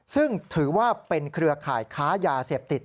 ซึ่งถือว่าเป็นเครือข่ายค้ายาเสพติด